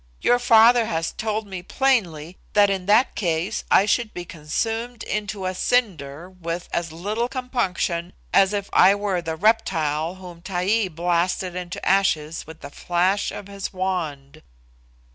Your father has told me plainly that in that case I should be consumed into a cinder with as little compunction as if I were the reptile whom Taee blasted into ashes with the flash of his wand."